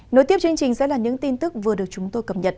nối tiếp chương trình sẽ là những tin tức vừa được chúng tôi cập nhật